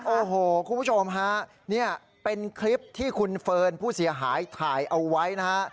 โอ้โหคุณผู้ชมฮะนี่เป็นคลิปที่คุณเฟิร์นผู้เสียหายถ่ายเอาไว้นะฮะ